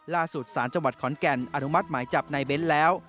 สารจังหวัดขอนแก่นอนุมัติหมายจับในเบ้นแล้ว